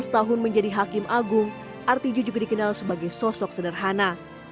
tujuh belas tahun menjadi hakim agung artijo juga dikenal sebagai sosok sederhana